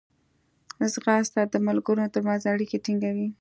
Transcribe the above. ځغاسته د ملګرو ترمنځ اړیکې ټینګوي